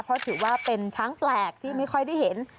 เพราะถือว่าเป็นช้างแปลกที่ไม่ค่อยได้เห็น